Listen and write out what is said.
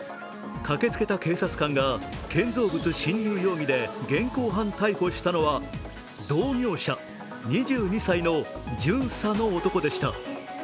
駆けつけた警察官が建造物侵入容疑で現行犯逮捕したのは同業者、２２歳の巡査の男でした。